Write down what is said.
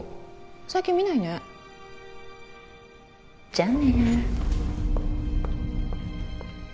最近見ないねじゃあね